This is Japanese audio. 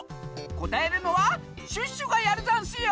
こたえるのはシュッシュがやるざんすよ！